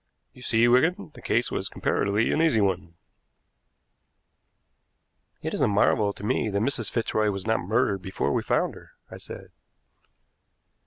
You see, Wigan, the case was comparatively an easy one." "It is a marvel to me that Mrs. Fitzroy was not murdered before we found her," I said.